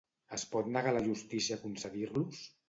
Es pot negar la justícia a concedir-los?